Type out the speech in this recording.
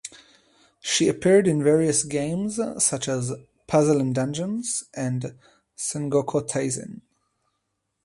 She appeared in various games such as "Puzzle and Dragons" and "Sengoku Taisen".